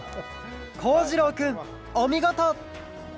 こうじろうくんおみごと！